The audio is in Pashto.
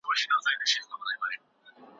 که ته هڅه وکړې نو ډېر څه زده کولای سې.